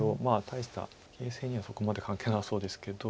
大した形勢にはそこまで関係なさそうですけど。